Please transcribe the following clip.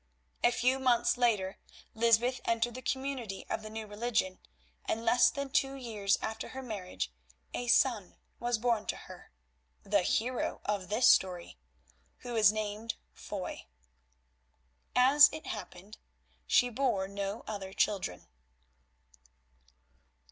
A few months later Lysbeth entered the community of the New Religion, and less than two years after her marriage a son was born to her, the hero of this story, who was named Foy. As it happened, she bore no other children.